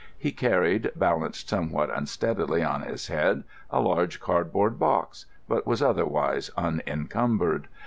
He carried, balanced somewhat unsteadily on his head, a large cardboard box, but was otherwise unencumbered.